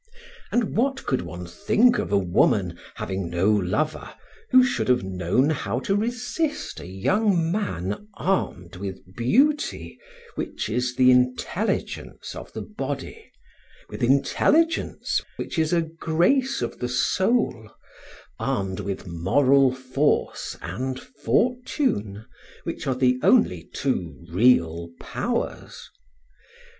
And what could one think of a woman, having no lover, who should have known how to resist a young man armed with beauty which is the intelligence of the body, with intelligence which is a grace of the soul, armed with moral force and fortune, which are the only two real powers?